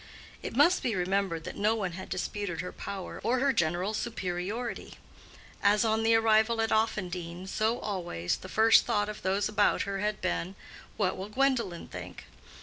It must be remembered that no one had disputed her power or her general superiority. As on the arrival at Offendene, so always, the first thought of those about her had been, what will Gwendolen think?